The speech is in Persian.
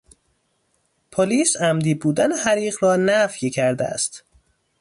پلیس عمدی بودن حریق را نفی کرده است.